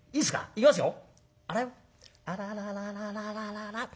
行きますよ？